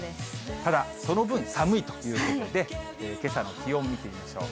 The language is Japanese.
ただ、その分、寒いということで、けさの気温見てみましょう。